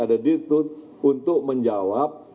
ada dirtut untuk menjawab